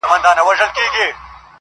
خُمار مي د عمرونو میکدې ته وو راوړی؛